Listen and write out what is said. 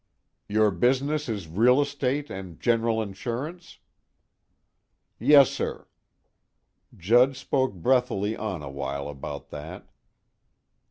"Your business is real estate and general insurance?" "Yes, sir." Judd spoke breathily on a while about that.